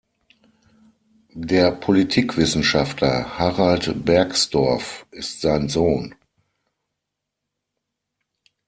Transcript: Der Politikwissenschaftler Harald Bergsdorf ist sein Sohn.